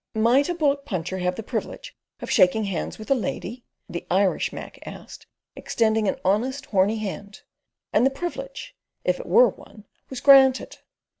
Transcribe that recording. "Might a bullock puncher have the privilege of shaking hands with a lady?" the Irish Mac asked, extending an honest, horny hand; and the privilege, if it were one, was granted.